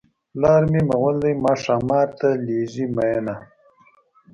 پلار مې مغل دی ما ښامار ته لېږي مینه.